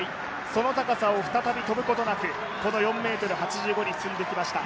その高さを再び跳ぶことなくこの４ｍ８５に進んできました。